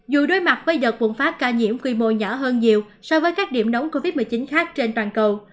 dù đối mặt với đợt bùng phát ca nhiễm quy mô nhỏ hơn nhiều so với các điểm nóng covid một mươi chín khác trên toàn cầu